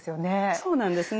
そうなんですね。